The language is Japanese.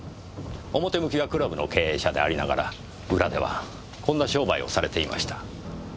表向きはクラブの経営者でありながら裏ではこんな商売をされていました。